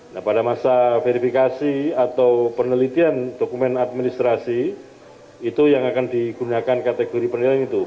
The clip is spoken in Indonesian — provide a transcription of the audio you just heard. nah pada masa verifikasi atau penelitian dokumen administrasi itu yang akan digunakan kategori penelitian itu